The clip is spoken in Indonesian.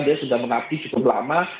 dia sudah mengabdi cukup lama